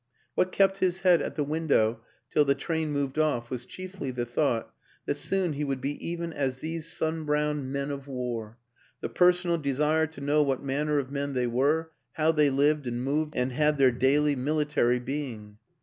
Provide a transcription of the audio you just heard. What kept his head at the win WILLIAM AN ENGLISHMAN 201 dow till the train moved off was chiefly the thought that soon he would be even as these sunbrowned men of war, the personal desire to know what manner of men they were, how they lived and moved and had their daily military being.